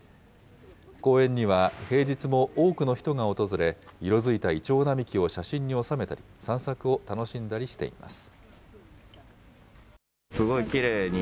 公園には平日も多くの人が訪れ、色づいたイチョウ並木を写真に収めたり、散策を楽しんだりしています。